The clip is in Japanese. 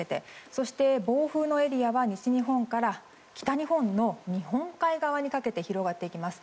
そして、暴風のエリアは西日本から北日本の日本海に向かって広がっていきます。